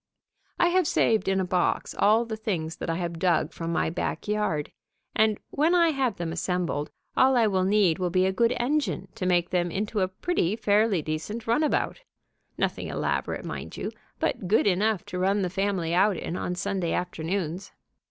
I have saved in a box all the things that I have dug from my back yard, and, when I have them assembled, all I will need will be a good engine to make them into a pretty fairly decent runabout, nothing elaborate, mind you, but good enough to run the family out in on Sunday afternoons.